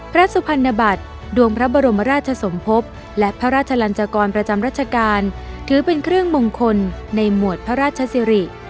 สุพรรณบัตรดวงพระบรมราชสมภพและพระราชลันจกรประจำรัชกาลถือเป็นเครื่องมงคลในหมวดพระราชสิริ